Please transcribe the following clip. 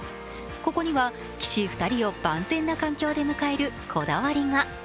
ここには棋士２人を万全な環境で迎えるこだわりが。